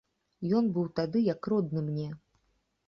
Ён быў тады як родны мне.